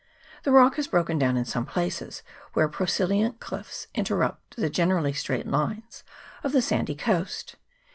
The rock has broken down in some places, where prosilient cliffs interrupt the generally straight lines of the sandy coast.